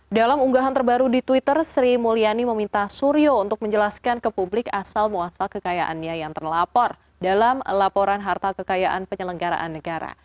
dalam unggahan terbaru di twitter sri mulyani meminta suryo untuk menjelaskan ke publik asal muasal kekayaannya yang terlapor dalam laporan harta kekayaan penyelenggaraan negara